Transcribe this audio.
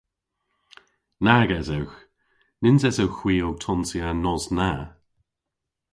Nag esewgh. Nyns esowgh hwi ow tonsya an nos na.